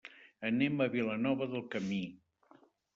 Anem a Vilanova del Camí.